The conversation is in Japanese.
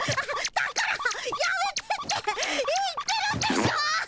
だからやめてって言ってるでしょ！